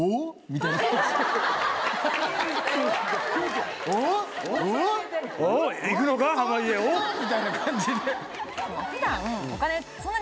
みたいな感じで。